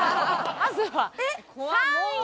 まずは。